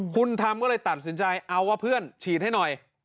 คุณทำก็เลยตัดสินใจเอาว่าเพื่อนฉีดให้หน่อย